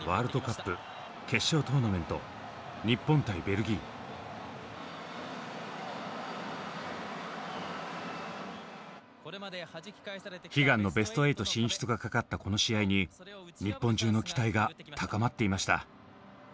２０１８年ロシアで行われた悲願のベスト８進出がかかったこの試合に日本中の期待が高まっていました。